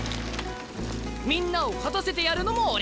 みんなを勝たせてやるのも俺！